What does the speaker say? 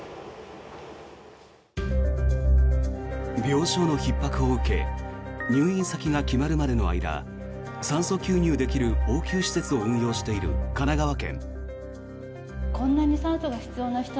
病床のひっ迫を受け入院先が決まるまでの間酸素吸入できる応急施設を運用している神奈川県。